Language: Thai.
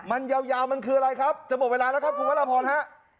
มันยาวมันคืออะไรครับจะหมดเวลาแล้วครับคุณพระราพรฮะ